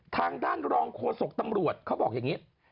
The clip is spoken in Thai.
ทางด้านรองโฆษกตำรวจเขาบอกอย่างนี้